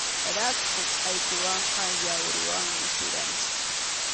Rakhu qʼaytuwanqa yawriwanmi siranchik.